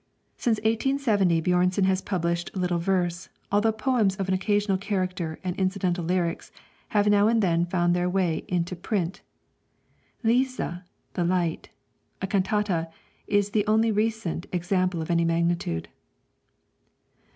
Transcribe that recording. Since 1870 Björnson has published little verse, although poems of an occasional character and incidental lyrics have now and then found their way into print. 'Lyset' (The Light), a cantata, is the only recent example of any magnitude.